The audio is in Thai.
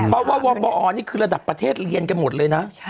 เพราะว่าวบอนี่คือระดับประเทศเรียนกันหมดเลยนะ